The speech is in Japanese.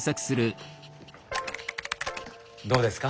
どうですか？